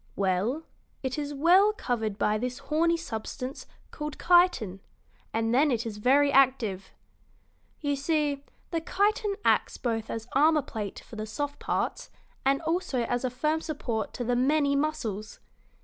"Well, it is well covered by this horny substance called chitin, and then it is very active. You see, the chitin acts both as armor plate for the soft parts and also as a firm support to the many muscles.